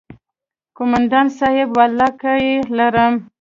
کومندان صايب ولله که يې لرم.